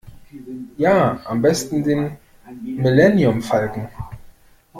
Ja, am besten den Milleniumfalken.